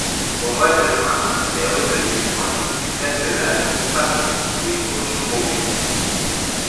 Au mois de juin, il est retenu en équipe nationale pour participer au Girobio.